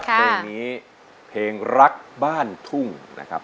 เพลงนี้เพลงรักบ้านทุ่งนะครับ